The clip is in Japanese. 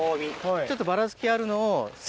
ちょっとばらつきあるのを。